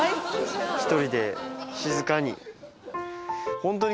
１人で静かに。